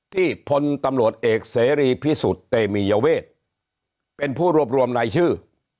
พลตำรวจเอกเสรีพิสุทธิ์เตมียเวทเป็นผู้รวบรวมรายชื่อ